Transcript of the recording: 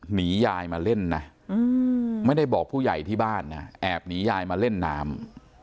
หนียายมาเล่นนะไม่ได้บอกผู้ใหญ่ที่บ้านนะแอบหนียายมาเล่นน้ำ